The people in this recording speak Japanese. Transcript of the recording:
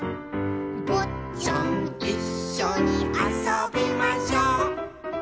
「ぼっちゃんいっしょにあそびましょう」